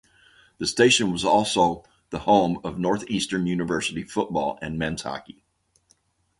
The station was also the home of Northeastern University football and men's hockey.